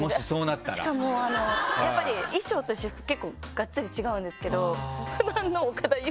しかもやっぱり衣装と私服結構がっつり違うんですけど。